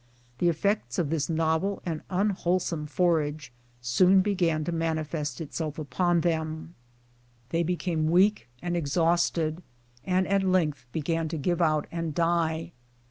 The effects of this novel and unwholesome fora2;e soon be gan to manifest itself upon them. They became weak and 232 BREAKING THE TRACK. exhausted, and at lengtTi began to give out and die.